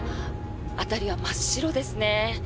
辺りは真っ白ですね。